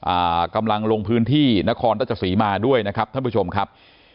อ่ากำลังลงพื้นที่นครราชสีมาด้วยนะครับท่านผู้ชมครับ